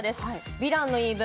「ヴィランの言い分」